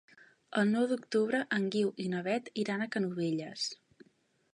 El nou d'octubre en Guiu i na Beth iran a Canovelles.